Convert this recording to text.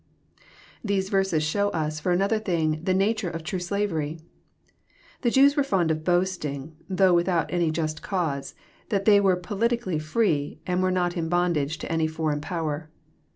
These verses show us, for another thing, t^ncs^reo/tn^ davery. The Jews were fond of boasting, though without any just cause, that they were politically free, and were not in bondage to any foreign power.